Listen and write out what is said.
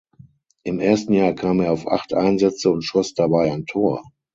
Im ersten Jahr kam er auf acht Einsätze und schoss dabei ein Tor.